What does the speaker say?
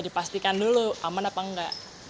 dipastikan dulu aman apa enggak